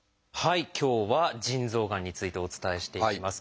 今日は腎臓がんについてお伝えしていきます。